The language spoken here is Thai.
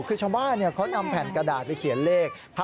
คือชาวบ้านเขานำแผ่นกระดาษไปเขียนเลข